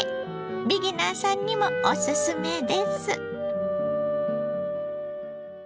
ビギナーさんにもオススメです。